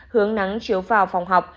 hướng nắng chiếu vào phòng học